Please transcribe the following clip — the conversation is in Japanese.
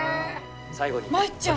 舞ちゃんや。